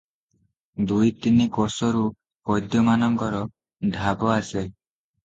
ଦୁଇ ତିନି କୋଶରୁ ବୈଦ୍ୟମାନଙ୍କର ଡାବ ଆସେ ।